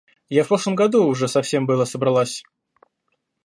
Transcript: Я в прошлом году уже совсем было собралась.